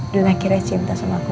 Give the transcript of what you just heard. dan akhirnya cinta sama aku